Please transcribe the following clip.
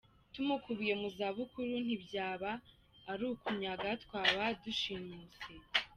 Tumukubiye mu zabukuru ntibyaba ari ukunyaga twaba dushimuse “.